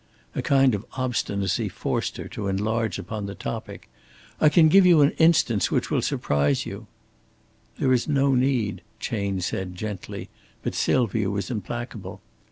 A kind of obstinacy forced her on to enlarge upon the topic. "I can give you an instance which will surprise you." "There is no need," Chayne said, gently, but Sylvia was implacable.